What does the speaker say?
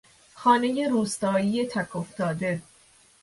خانهی روستایی تک افتاده